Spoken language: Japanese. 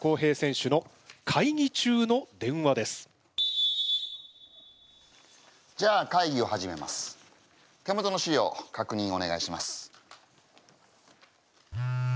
手元の資料かくにんをお願いします。